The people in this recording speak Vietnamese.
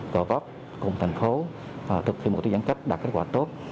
cờ góp cùng thành phố thực hiện một tư giãn cách đạt kết quả tốt